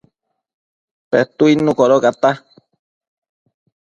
Petuidnu codocata